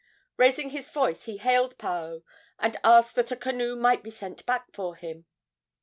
Raising his voice, he hailed Paao and asked that a canoe might be sent back for him.